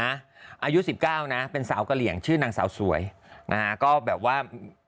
อายุ๑๙นะเป็นสาวกะเหลี่ยงชื่อนางสาวสวยนะฮะก็แบบว่า